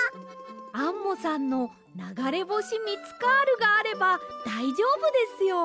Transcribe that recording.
アンモさんのながれぼしミツカールがあればだいじょうぶですよ。